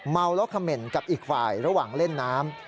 เมาแล้วเขม่นกับอีกฝ่ายระหว่างเล่นน้ำ